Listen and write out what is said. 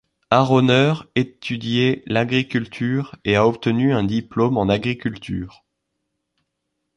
Arauner étudié l'agriculture et a obtenu un diplôme en agriculture.